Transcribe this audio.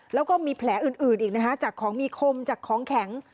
แล้วก็มีแผลอื่นอีกนะคะจากของมีคมจากของแข็ง